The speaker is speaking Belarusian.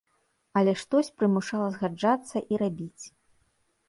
Але штось прымушала згаджацца і рабіць.